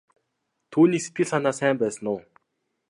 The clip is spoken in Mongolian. Түүний сэтгэл санаа сайн байсан уу?